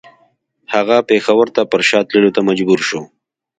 هغه پېښور ته پر شا تللو ته مجبور شو.